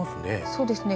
そうですね。